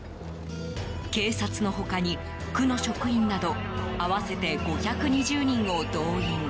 警察の他に区の職員など合わせて５２０人を動員。